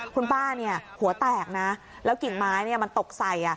คุณป้าหัวแตกนะแล้วกิ่งไม้มันตกใส่